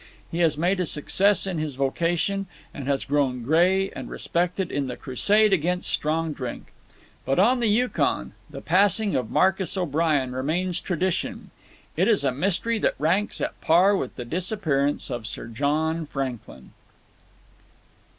He has made a success in his vocation, and has grown grey and respected in the crusade against strong drink. But on the Yukon the passing of Marcus O'Brien remains tradition. It is a mystery that ranks at par with the disappearance of Sir John Franklin.